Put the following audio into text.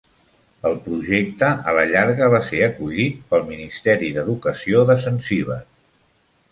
El projecte, a la llarga, va ser acollit pel Ministeri d'educació de Zanzíbar.